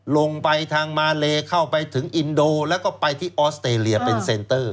ลงไปทางมาเลเข้าไปถึงอินโดแล้วก็ไปที่ออสเตรเลียเป็นเซนเตอร์